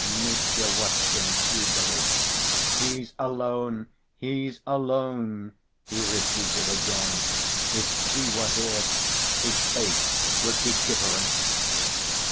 Mitya watched him eagerly. "He's alone, he's alone!" he repeated again. "If she were here, his face would be different."